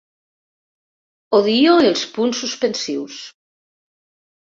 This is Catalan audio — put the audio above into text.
Odio els punts suspensius.